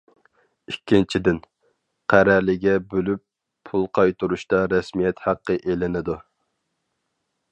ئىككىنچىدىن، قەرەلىگە بۆلۈپ پۇل قايتۇرۇشتا رەسمىيەت ھەققى ئېلىنىدۇ.